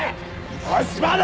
おい島田！